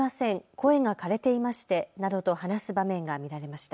声がかれていましてなどと話す場面が見られました。